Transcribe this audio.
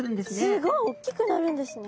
すごいおっきくなるんですね。